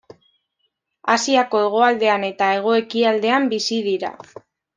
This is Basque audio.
Asiako hegoaldean eta hego-ekialdean bizi dira.